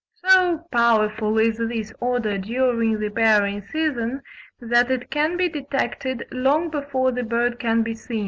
So powerful is this odour during the pairing season, that it can be detected long before the bird can be seen.